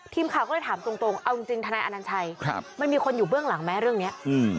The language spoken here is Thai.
ทีมข่าวก็เลยถามตรงเอาจริงทนายอนัญชัยมันมีคนอยู่เบื้องหลังไหมเรื่องนี้